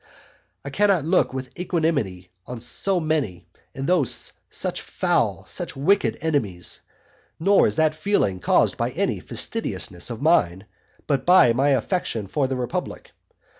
I cannot look with equanimity on so many, and those such foul, such wicked enemies; nor is that feeling caused by any fastidiousness of mine, but by my affection for the republic.